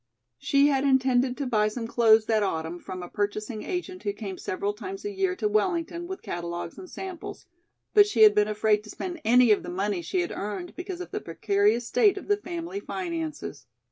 She had intended to buy some clothes that autumn from a purchasing agent who came several times a year to Wellington with catalogues and samples, but she had been afraid to spend any of the money she had earned because of the precarious state of the family finances.